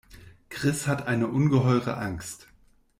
Chris hat eine ungeheure Angst.